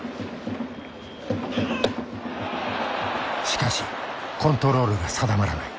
しかしコントロールが定まらない。